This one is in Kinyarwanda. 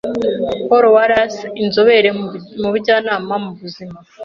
Paul Wallace inzobere mu bujyanama mu buzima